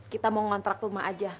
kita mau ngontrak rumah aja